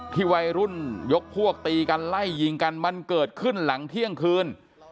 วัยรุ่นยกพวกตีกันไล่ยิงกันมันเกิดขึ้นหลังเที่ยงคืน